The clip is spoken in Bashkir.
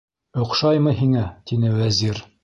- Оҡшаймы һиңә? - тине Вәзир.